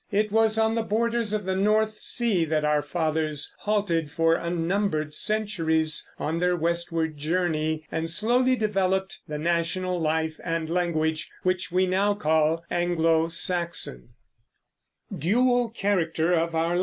It was on the borders of the North Sea that our fathers halted for unnumbered centuries on their westward journey, and slowly developed the national life and language which we now call Anglo Saxon.